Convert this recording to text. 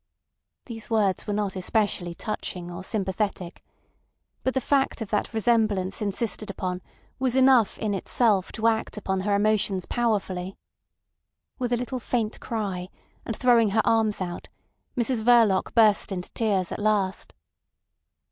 These words were not especially touching or sympathetic. But the fact of that resemblance insisted upon was enough in itself to act upon her emotions powerfully. With a little faint cry, and throwing her arms out, Mrs Verloc burst into tears at last.